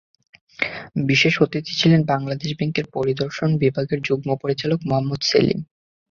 বিশেষ অতিথি ছিলেন বাংলাদেশ ব্যাংকের পরিদর্শন বিভাগের যুগ্ম পরিচালক মোহাম্মদ সেলিম।